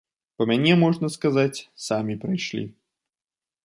Па мяне, можна сказаць, самі прыйшлі.